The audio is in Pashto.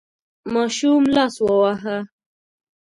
ماشوم لاس وواهه.